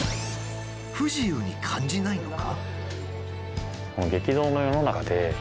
不自由に感じないのか？